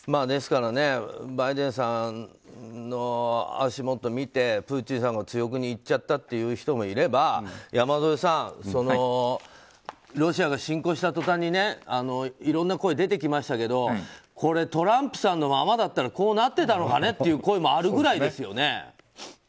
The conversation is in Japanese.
ですからバイデンさんの足元を見てプーチンさんが強気にいっちゃったという人もいれば山添さんロシアが侵攻したとたんにいろんな声が出てきましたがトランプさんのままだったらこうなってたのかねという声があるぐらいですよね。